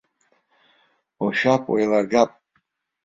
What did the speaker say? Ушәап, уеилагап.